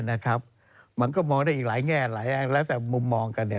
นะครับมันก็มองได้อีกหลายแง่หลายแล้วแต่มุมมองกันเนี่ย